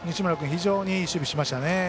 非常にいい守備しましたよね。